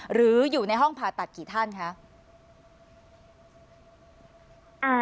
หรืออยู่ในห้องผ่าตัดกี่ท่านคะ